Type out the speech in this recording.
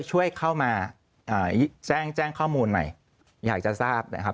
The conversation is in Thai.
ช่วยเข้ามาแจ้งแจ้งข้อมูลหน่อยอยากจะทราบนะครับ